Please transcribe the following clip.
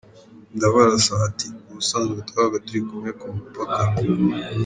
Ndabarasa ati: “Ubusanzwe twabaga turi kumwe ku mupaka.”